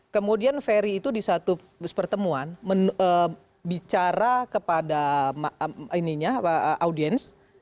kemudian ferry itu di satu pertemuan bicara kepada audiens